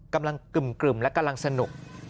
กำลังกึ่มและกำลังสนุก